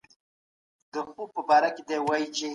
افغان نارینه د نورمالو ډیپلوماټیکو اړیکو ګټي نه لري.